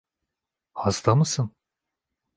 Hasta mısın?